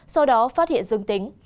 sau đó phát hiện dương tính